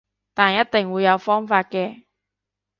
但一定會有方法嘅